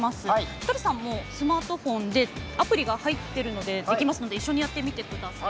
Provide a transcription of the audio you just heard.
ひとりさん、スマートフォンでアプリが入っているのでできますので一緒にやってみてください。